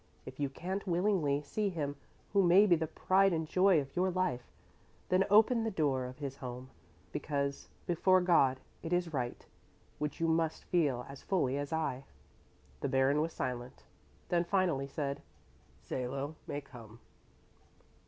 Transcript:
If you can't willingly see him who may be the pride and joy of your life, then open the door of his home because, before God, it is right, which you must feel as fully as I." The Baron was silent, then finally said, "Salo may come."